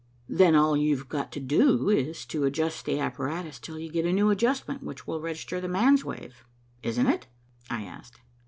"Then all you've got to do is to adjust the apparatus till you get a new adjustment which will register 'the man's' wave, isn't it?" I asked.